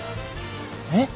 えっ？